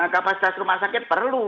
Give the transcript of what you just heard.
kapasitas rumah sakit perlu